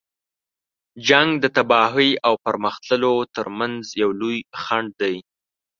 جنګ د تباهۍ او پرمخ تللو تر منځ یو لوی خنډ دی.